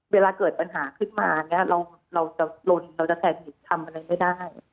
เวลาเกิดปัญหาขึ้นมาเนี่ยเราจะลนเราจะแทนผิดทำอะไรไม่ได้